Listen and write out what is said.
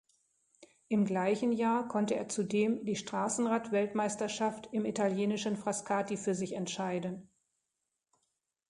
Im gleichen Jahr konnte er zudem die Straßenrad-Weltmeisterschaft im italienischen Frascati für sich entscheiden.